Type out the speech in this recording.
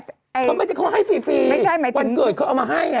เขาให้ฟรีวันเกิดเขามาให้